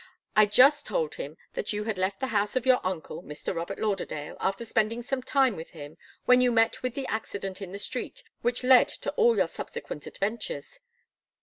I just told him that you had left the house of your uncle, Mr. Robert Lauderdale, after spending some time with him, when you met with the accident in the street which led to all your subsequent adventures.